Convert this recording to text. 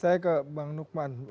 saya ke bang nukman